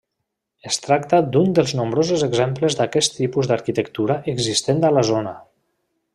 Es tracta d'un dels nombrosos exemples d'aquest tipus d'arquitectura existent a la zona.